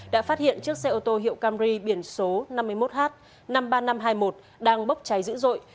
đã phát hiện chiếc xe ô tô hiệu camer biển số năm mươi một h năm mươi ba nghìn năm trăm hai mươi một đang bốc cháy dữ dội